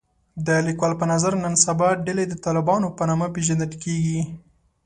د لیکوال په نظر نن سبا ډلې د طالبانو په نامه پېژندل کېږي